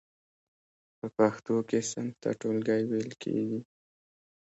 په پښتو کې صنف ته ټولګی ویل کیږی.